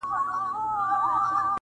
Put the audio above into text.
• زه چي ګورمه موږ هم یو ځان وهلي -